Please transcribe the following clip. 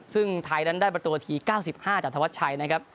ซึ่งไทยนั้นได้ประตูนาที๙๕จากธวัชชัยนะครับ